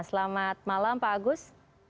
selamat malam pak agus